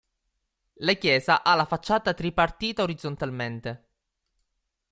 La chiesa ha la facciata tripartita orizzontalmente.